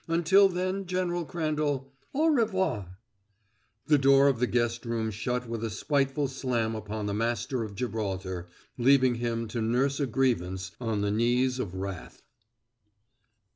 Until then, General Crandall, au revoir." The door of the guest room shut with a spiteful slam upon the master of Gibraltar, leaving him to nurse a grievance on the knees of wrath.